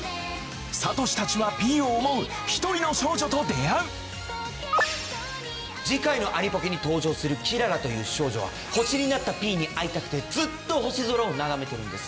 サトシたちはピィを思う一人の少女と出会う次回のアニポケに登場するキララという少女は星になったピィに会いたくてずっと星空を眺めてるんです。